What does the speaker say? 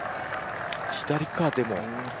左か、でも。